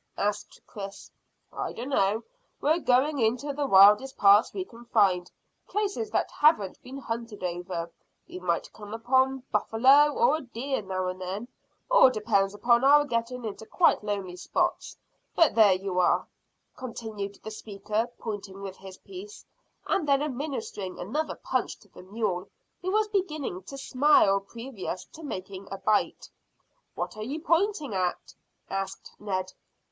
asked Chris. "I dunno. We're going into the wildest parts we can find, places that haven't been hunted over. We might come upon buffalo or a deer now and then. All depends upon our getting into quite lonely spots. But there you are," continued the speaker, pointing with his piece, and then administering another punch to the mule, who was beginning to smile previous to making a bite. "What are you pointing at?" asked Ned.